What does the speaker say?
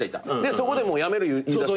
そこでもう辞める言いだした。